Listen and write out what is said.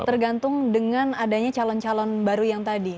tergantung dengan adanya calon calon baru yang tadi